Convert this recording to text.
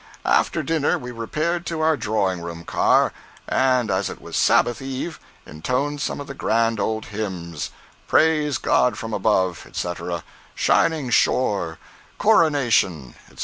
After dinner we repaired to our drawing room car, and, as it was Sabbath eve, intoned some of the grand old hymns—"Praise God from whom," etc.; "Shining Shore," "Coronation," etc.